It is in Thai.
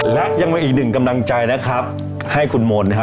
และยังมีอีกหนึ่งกำลังใจนะครับให้คุณมนต์นะฮะ